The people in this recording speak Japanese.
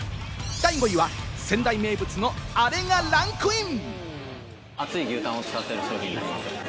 第５位は仙台名物のアレがランクイン。